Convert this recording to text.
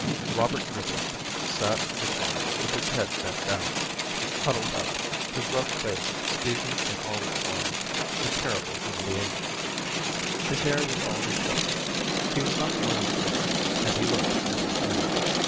... Robert Griffith sat in the corner with his head bent down, huddled up, his rough face speaking in all its lines the terrible humiliation ; his hair was all dis hevelled. He was not more than fifty, and he looked an old man.